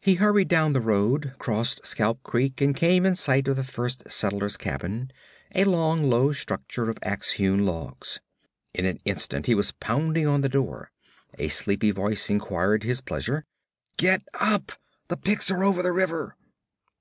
He hurried down the road, crossed Scalp Creek and came in sight of the first settler's cabin a long, low structure of ax hewn logs. In an instant he was pounding on the door. A sleepy voice inquired his pleasure. 'Get up! The Picts are over the river!'